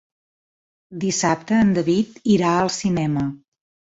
Dissabte en David irà al cinema.